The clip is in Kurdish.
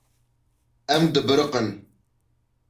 Em dibiriqin.